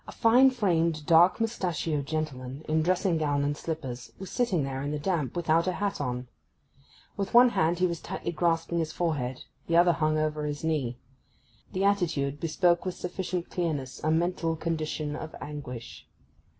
A fine framed dark mustachioed gentleman, in dressing gown and slippers, was sitting there in the damp without a hat on. With one hand he was tightly grasping his forehead, the other hung over his knee. The attitude bespoke with sufficient clearness a mental condition of anguish.